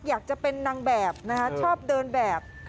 อยากจะเป็นนางแบบนะฮะชอบเดินแบบ